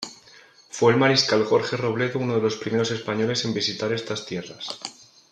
Fue el mariscal Jorge Robledo uno de los primeros españoles en visitar estas tierras.